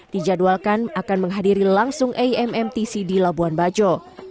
dijadwalkan akan menghadiri langsung ammtc di labuan bajo